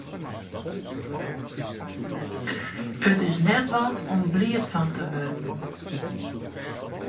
It is net wat om bliid fan te wurden.